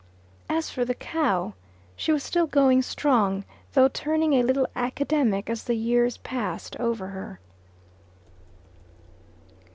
As for the cow, she was still going strong, though turning a little academic as the years passed over her.